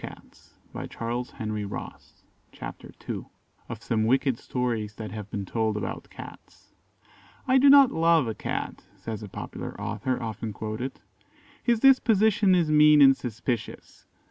CHAPTER II. [Illustration: CHAPTER II.] Of some Wicked Stories that have been told about Cats. "I do not love a Cat," says a popular author, often quoted; "his disposition is mean and suspicious.